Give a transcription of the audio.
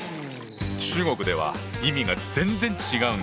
中国では意味が全然違うんだ。